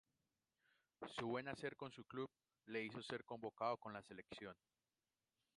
Su buen hacer con su club, le hizo ser convocado con la selección.